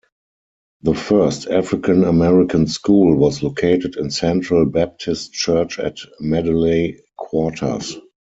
The first African American school was located in Central Baptist Church at Medeley Quarters.